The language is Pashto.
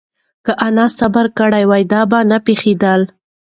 که انا صبر کړی وای، دا به نه پېښېدل.